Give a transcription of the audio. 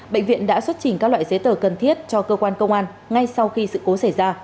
bệnh viện đã xuất trình các loại giấy tờ cần thiết cho cơ quan công an ngay sau khi sự cố xảy ra